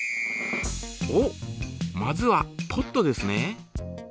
おっまずはポットですね。